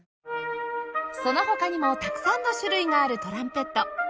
その他にもたくさんの種類があるトランペット